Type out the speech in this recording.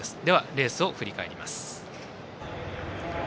レースを振り返ります。